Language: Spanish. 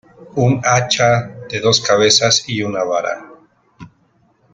Un hacha de dos cabezas y una vara.